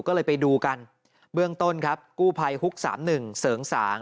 ก็เลยไปดูกันเบื้องต้นครับกู้ภัยฮุกสามหนึ่งเสริงสาง